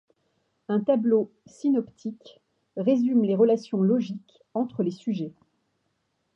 Un tableau synoptique résume les relations logiques entre les sujets.